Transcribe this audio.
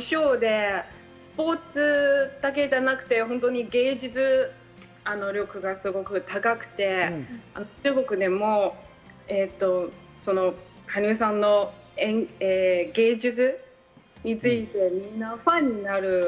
ショーでスポーツだけではなくて、芸術力が高くて、中国でも羽生さんの芸術についてみんなファンになる。